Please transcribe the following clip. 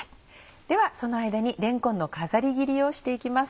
ではその間にれんこんの飾り切りをして行きます。